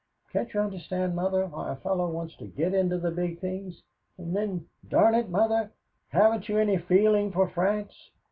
Can't you understand, Mother, why a fellow wants to get into the big things? And then, darn it, Mother, haven't you any feeling for France?